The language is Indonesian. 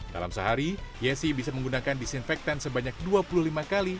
dalam sehari yesi bisa menggunakan disinfektan sebanyak dua puluh lima kali